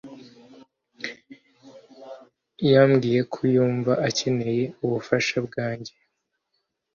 yambwiye ko yumva akeneye ubufasha bwanjye